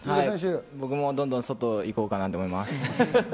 僕もどんどん外に行こうかなと思います。